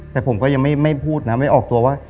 แต่ผมก็ยังไม่พูดนะไม่ออกตัวว่า